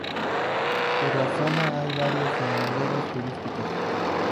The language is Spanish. Por la zona hay varios senderos turísticos